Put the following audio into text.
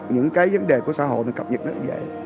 những cái vấn đề của xã hội mình cập nhật nó dễ